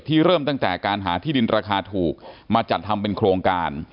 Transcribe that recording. เริ่มตั้งแต่การหาที่ดินราคาถูกมาจัดทำเป็นโครงการ